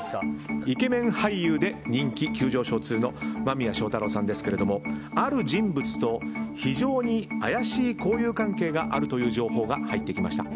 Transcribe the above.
イケメン俳優で人気急上昇中の間宮祥太朗さんですけれどもある人物と非常に怪しい交友関係があるという情報が入ってきました。